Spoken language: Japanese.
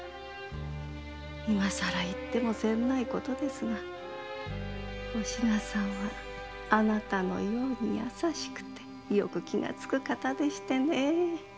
今更言ってもせんない事ですがお品さんはあなたのように優しくてよく気がつく方でしてね。